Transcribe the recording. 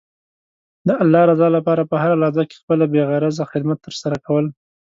د الله رضا لپاره په هره لحظه کې خپله بې غرضه خدمت ترسره کول.